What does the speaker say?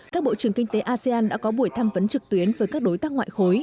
các bộ trưởng kinh tế asean đã có buổi tham vấn trực tuyến với các đối tác ngoại khối